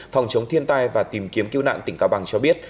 phòng chống thiên tai và tìm kiếm cứu nạn tỉnh cao bằng cho biết